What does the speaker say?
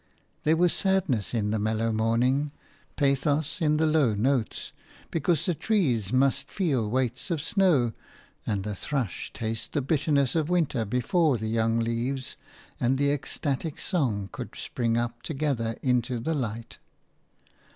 There was sadness in the mellow morning, pathos in the low notes, because the trees must feel weights of snow and the thrush taste the bitterness of winter before the young leaves and the ecstatic song could spring up together into the light.